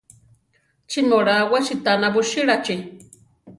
Chí mi olá we sitána busílachi?